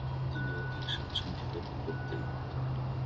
তিনি অধিক স্বাচ্ছন্দ্যবোধ করতেন।